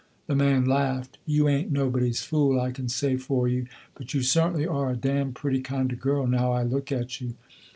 The man laughed, "You ain't nobody's fool I can say for you, but you certainly are a damned pretty kind of girl, now I look at you.